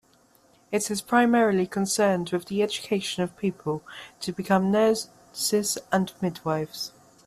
It is primarily concerned with the education of people to become nurses and midwives.